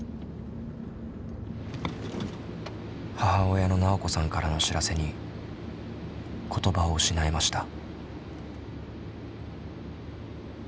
母親のなおこさんからの知らせに言葉を失いました。